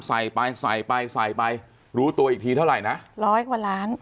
ใส่ไปใส่ไปใส่ไปรู้ตัวอีกทีเท่าไหร่นะร้อยกว่าล้าน